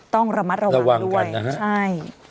ต้องระวังด้วยระวังกันนะฮะใช่